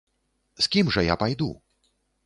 З кім жа я пайду?